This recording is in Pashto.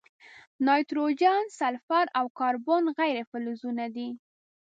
نایتروجن، سلفر، او کاربن غیر فلزونه دي.